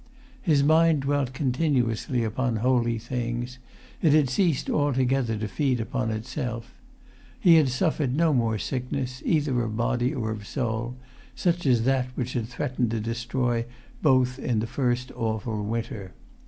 His mind dwelt continuously upon holy things; it had ceased altogether to feed upon itself. He had suffered no more sickness, either of body or of soul, such as that which had threatened to destroy both in the first awful winter.